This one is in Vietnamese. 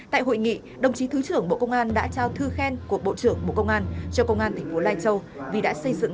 tại hội nghị đồng chí thứ trưởng bộ công an đã trao thư khen của bộ trưởng bộ công an cho công an tp lai châu vì đã xây dựng